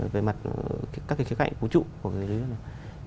về mặt các cái khía cạnh vũ trụ của cái lý thuyết này